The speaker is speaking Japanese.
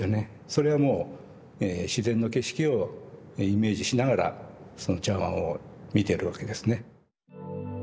それはもう自然の景色をイメージしながらその茶碗を見てるわけですね。